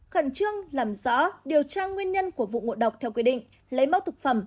khẩn trương làm rõ điều tra nguyên nhân của vụ ngộ độc theo quy định lấy mẫu thực phẩm